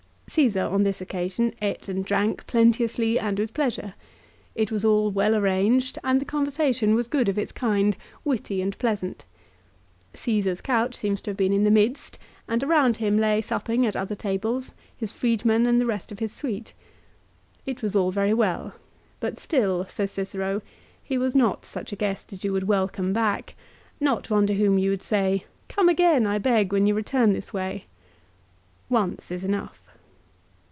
Csesar, on this occasion, ate and drank plenteously and with pleasure. It was all well arranged, and the con versation was good of its kind, witty and pleasant. Caesar's couch seems to have been in the midst, and around him lay supping, at other tables, his freedmen, and the rest of his suite. It was all very well ; but still, says Cicero, he was not such a guest as you would welcome back ; not one to whom you would say, " Come again, I beg, when you return this way." Once is enough.